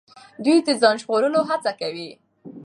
دوی د ځان ژغورلو هڅه کوي.